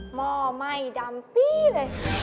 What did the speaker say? หม้อไหม้ดำปี้เลย